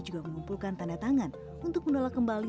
juga mengumpulkan tanda tangan untuk menolak kembali